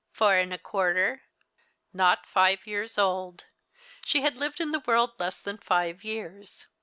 " Four and a quarter." Not five years old. She had lived in the world less than five years.